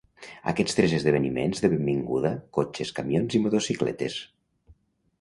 Aquests tres esdeveniments de benvinguda cotxes, camions, i motocicletes.